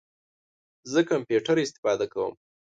زه کمپیوټر استفاده کوم